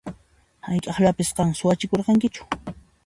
Hayk'aqllapas qan suwachikurqankichu?